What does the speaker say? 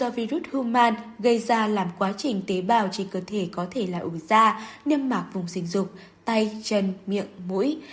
virus human gây ra làm quá trình tế bào trên cơ thể có thể là ủi da niêm mạc vùng sinh dục tay chân miệng mũi